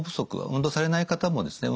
運動されない方もですね